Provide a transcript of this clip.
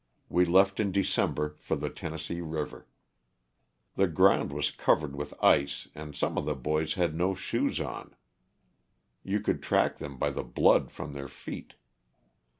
We left in December for the Tennessee river. The ground was covered with ice and some of the boys had no shoes on — you could track them by the blood from their feet.